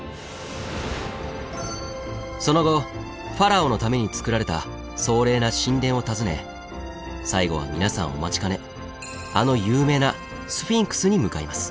その後ファラオのためにつくられた壮麗な神殿を訪ね最後は皆さんお待ちかねあの有名なスフィンクスに向かいます。